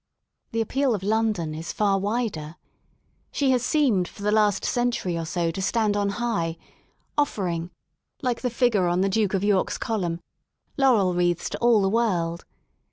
The appeal of Lpndon is far widen She has seemed for the last century or so to stand on high, offering, like the figure on the Duke of York's column, laurel 76 WORK IN LONDON wreadis to all the world.